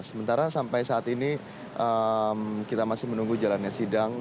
sementara sampai saat ini kita masih menunggu jalannya sidang